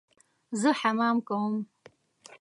زه حمام کوم